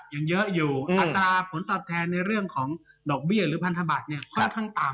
ยังเยอะอยู่อัตราผลตอบแทนในเรื่องของดอกเบี้ยหรือพันธบัตรเนี่ยค่อนข้างต่ำ